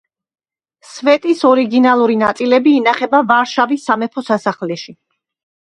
სვეტის ორიგინალური ნაწილები ინახება ვარშავის სამეფო სასახლეში.